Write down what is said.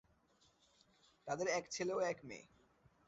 তাঁদের এক ছেলে ও এক মেয়ে।